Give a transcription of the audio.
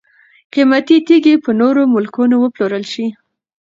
قیمتي تیږي په نورو ملکونو وپلورل شي.